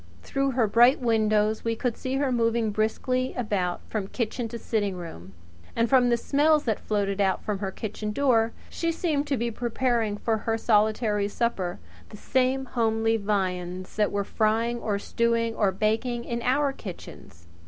Through her bright windows we could see her moving briskly about from kitchen to sitting room; and from the smells that floated out from her kitchen door, she seemed to be preparing for her solitary supper the same homely viands that were frying or stewing or baking in our kitchens.